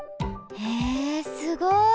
へえすごい！